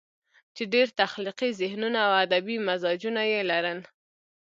چې ډېر تخليقي ذهنونه او ادبي مزاجونه ئې لرل